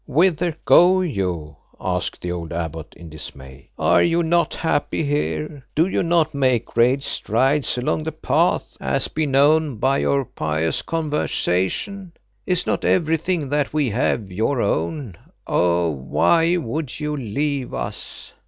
Whither go you?" asked the old abbot in dismay. "Are you not happy here? Do you not make great strides along the Path, as may be known by your pious conversation? Is not everything that we have your own? Oh! why would you leave us?"